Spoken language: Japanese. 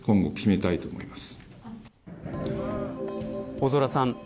大空さん。